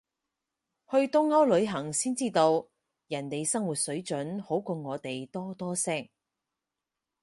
去東歐旅行先知道，人哋生活水準好過我哋多多聲